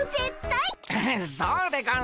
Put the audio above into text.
うんそうでゴンス。